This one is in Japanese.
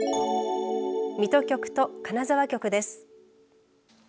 水戸局と金沢局です。